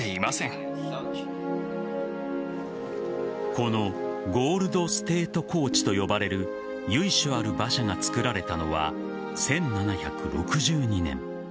このゴールド・ステート・コーチと呼ばれる、由緒ある馬車が造られたのは１７６２年。